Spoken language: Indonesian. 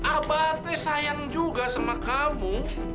abati sayang juga sama kamu